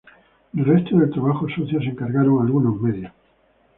Del resto del trabajo sucio se encargaron algunos medios.